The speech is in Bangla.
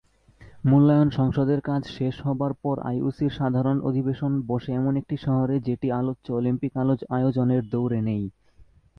মূল্যায়ন সংসদের কাজ শেষ হবার পর, আইওসির সাধারণ অধিবেশন বসে এমন একটি শহরে যেটি আলোচ্য অলিম্পিক আয়োজনের দৌড়ে নেই।